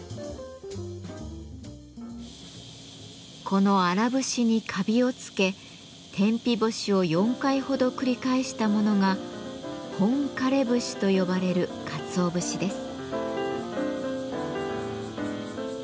この荒節にカビをつけ天日干しを４回ほど繰り返したものが「本枯れ節」と呼ばれるかつお節です。